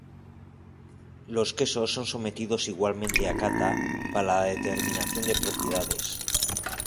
Los quesos son sometidos igualmente a cata para la determinación de propiedades.